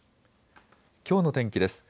きょうの天気です。